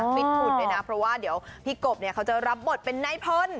ฟิตหุ่นด้วยนะเพราะว่าเดี๋ยวพี่กบเนี่ยเขาจะรับบทเป็นนายพล